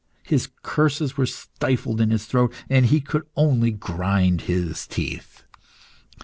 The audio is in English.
His curses were stifled in his throat, and he could only grind his teeth.